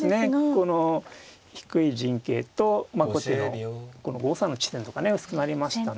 この低い陣形と後手の５三の地点とかね薄くなりましたんで。